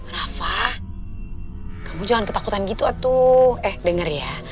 raffa kamu jangan ketakutan gitu waktu eh denger ya